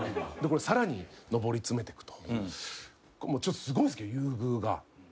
でこれさらに上り詰めてくとすごいんですけど優遇が。